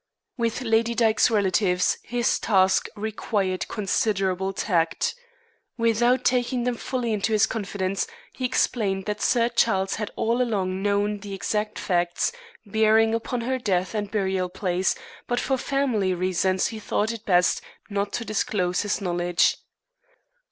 With Lady Dyke's relatives his task required considerable tact. Without taking them fully into his confidence, he explained that Sir Charles had all along known the exact facts bearing upon her death and burial place, but for family reasons he thought it best not to disclose his knowledge.